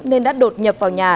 nên đã đột nhập vào nhà